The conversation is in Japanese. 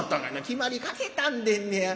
「決まりかけたんでんねや。